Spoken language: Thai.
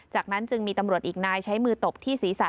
จากนั้นจึงมีตำรวจอีกนายใช้มือตบที่ศีรษะ